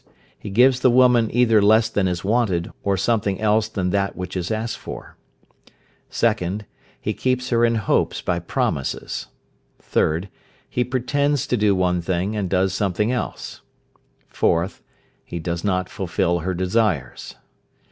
He gives the woman either less than is wanted, or something else than that which is asked for. 2nd. He keeps her in hopes by promises. 3rd. He pretends to do one thing, and does something else. 4th. He does not fulfil her desires.